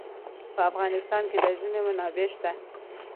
په افغانستان کې د ژمی منابع شته.